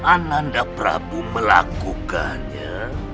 ananda prabu melakukannya